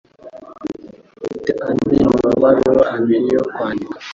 Mfite andi mabaruwa abiri yo kwandika.